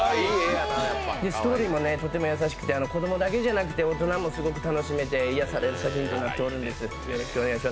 ストーリーもとてもやさしくて子供だけじゃなくて大人もすごく楽しめて癒やされる作品となっておるんです。